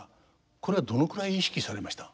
これはどのくらい意識されました？